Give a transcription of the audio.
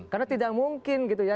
karena tidak mungkin gitu ya